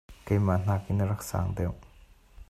keimah hngak in a rak sang deuh.